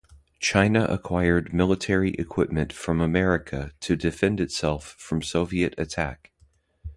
China acquired military equipment from America to defend itself from Soviet attack.